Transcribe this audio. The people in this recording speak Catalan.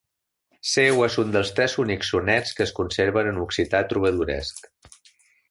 Seu és un dels tres únics sonets que es conserven en occità trobadoresc.